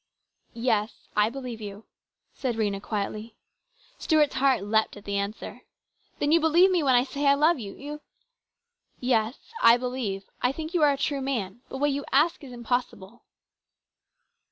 " Yes, I believe you," said Rhena quietly. Stuart's heart leaped at the answer. " Then you believe me when I say I love you ? You "" Yes ; I believe I think you are a true man, but what you ask is impossible."